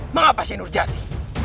mengapa si nurjati